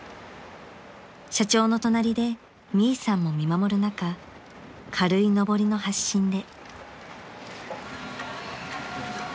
［社長の隣でミイさんも見守る中軽い上りの発進で］